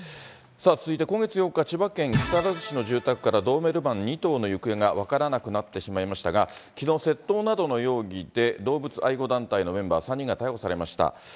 さあ、続いて今月８日、千葉県木更津市の住宅からドーベルマン２頭の行方が分からなくなってしまいましたが、きのう窃盗などの容疑で、動物愛護団体のメンバー３人が逮捕されました。